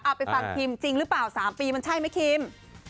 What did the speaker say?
ไปฟังคิมจริงหรือเปล่า๓ปีมันใช่ไหมคิม